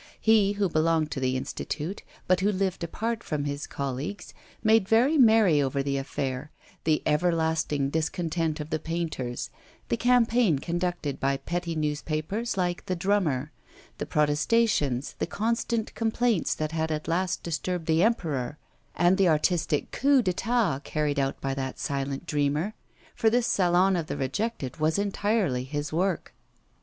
He, who belonged to the Institute, but who lived apart from his colleagues, made very merry over the affair; the everlasting discontent of painters; the campaign conducted by petty newspapers like 'The Drummer'; the protestations, the constant complaints that had at last disturbed the Emperor, and the artistic coup d'etat carried out by that silent dreamer, for this Salon of the Rejected was entirely his work.